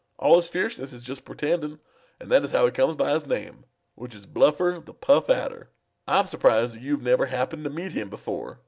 All his fierceness is just pretending, and that is how he comes by his name, which is Bluffer the Puff Adder. I'm surprised that you've never happened to meet him before.